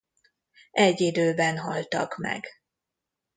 Egy időben haltak meg.